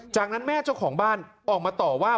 จากนั้นแม่เจ้าของบ้านออกมาต่อว่า